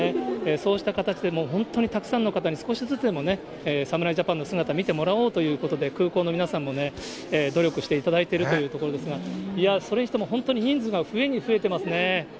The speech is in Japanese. そうした形で、もう本当にたくさんの方に少しずつでもね、侍ジャパンの姿、見てもらおうということで、空港の皆さんもね、努力していただいてるというところですが、いや、それにしても本当に人数が増えに増えてますね。